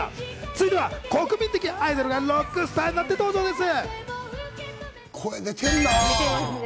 続いては国民的アイドルがロックスターになって登場です。